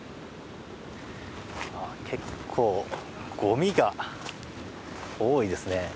結構、ゴミが多いですね。